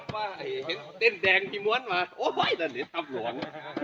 ไปเลยไปเลยขึ้นลูกขึ้นขึ้นลูกขึ้น